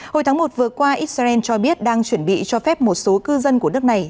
hồi tháng một vừa qua israel cho biết đang chuẩn bị cho phép một số cư dân của nước này